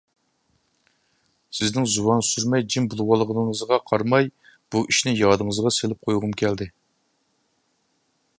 سىزنىڭ زۇۋان سۈرمەي جىم بولۇۋالغىنىڭىزغا قارىماي بۇ ئىشىنى يادىڭىزغا سېلىپ قويغۇم كەلدى.